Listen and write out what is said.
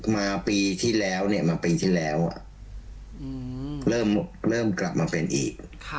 มาปีที่แล้วเริ่มกลับมาเป็นอีก